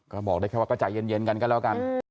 ก็บอกได้แค่ว่าก็ใจเย็นกันก็แล้วกัน